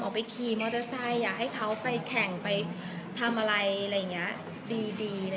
ออกไปขี่มอเตอร์ไซต์อยากให้เขาไปแข่งไปทำอะไรดี